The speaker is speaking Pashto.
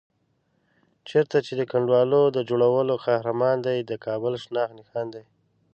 چېرته چې د کنډوالو د جوړولو قهرمان دی، د کابل شناخت نښان دی.